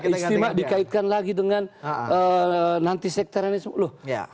istimewa dikaitkan lagi dengan nanti sekteranisme